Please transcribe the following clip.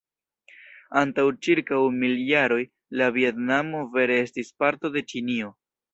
Antaŭ ĉirkaŭ mil jaroj, la Vjetnamo vere estis parto de Ĉinio.